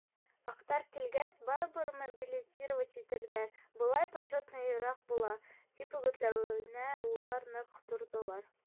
— Аҡтар килгәс, барыбер мобилизовать итерҙәр, былай почетныйыраҡ була, — тип өгөтләүенә улар ныҡ торҙолар: